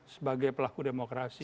sebagai pelaku demokrasi